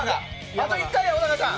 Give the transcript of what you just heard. あと１回よ、小高さん